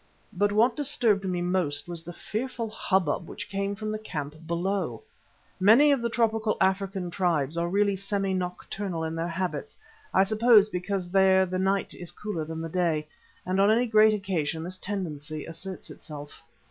But what disturbed me most was the fearful hubbub which came from the camp below. Many of the tropical African tribes are really semi nocturnal in their habits, I suppose because there the night is cooler than the day, and on any great occasion this tendency asserts itself.